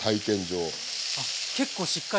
あっ結構しっかり。